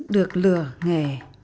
được lừa nghề